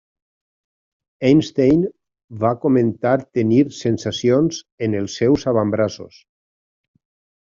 Einstein va comentar tenir sensacions en els seus avantbraços.